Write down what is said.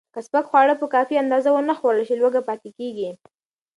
که سپک خواړه په کافي اندازه ونه خورل شي، لوږه پاتې کېږي.